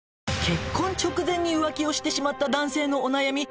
結婚直前に浮気をしてしまった男性のお悩み。